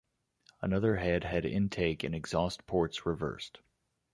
Another head had intake and exhaust ports reversed.